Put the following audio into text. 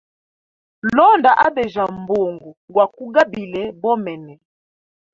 Londa abejya mbungu gwakugabile bomene.